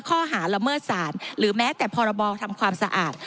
ข้อหาละเมิดสารหรือแม้แต่พรบทำความสะอาด